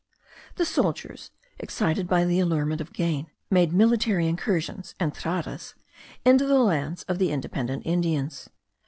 The soldiers, excited by the allurement of gain, made military incursions (entradas) into the lands of the independent Indians.